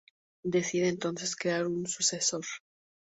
Decide entonces crear un sucesor.